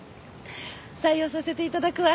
採用させていただくわ。